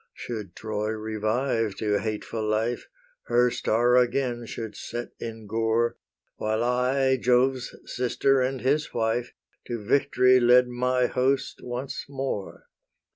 Should Troy revive to hateful life, Her star again should set in gore, While I, Jove's sister and his wife, To victory led my host once more.